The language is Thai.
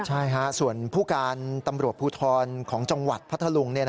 ใช่ฮะส่วนผู้การตำรวจภูทรของจังหวัดพัทธลุง